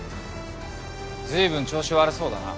随分調子悪そうだな。